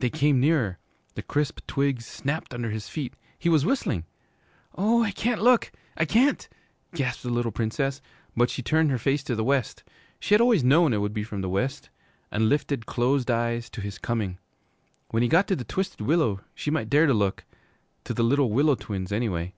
They came nearer. The crisp twigs snapped under his feet. He was whistling. 'Oh, I can't look! I can't!' gasped the little Princess, but she turned her face to the west, she had always known it would be from the west, and lifted closed eyes to his coming. When he got to the Twisted Willow she might dare to look to the Little Willow Twins, anyway.